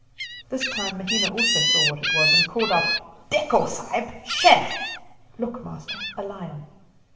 This time Mahina also saw what it was, and called out, "Dekko, Sahib, sher!" ("Look, Master, a lion!").